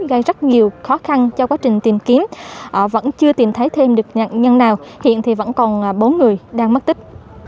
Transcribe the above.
gây rất nhiều khó khăn cho quá trình tìm kiếm vẫn chưa tìm thấy thêm được nạn nhân nào hiện vẫn còn bốn người đang mất tích